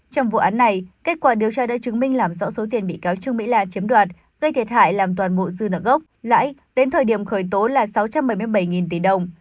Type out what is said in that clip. trong vụ án này kết quả điều tra đã chứng minh làm rõ số tiền bị cáo trương mỹ la chiếm đoạt gây thiệt hại làm toàn bộ dư nợ gốc lãi đến thời điểm khởi tố là sáu trăm bảy mươi bảy tỷ đồng